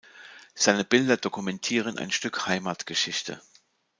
Seine Bilder dokumentieren ein Stück Heimatgeschichte.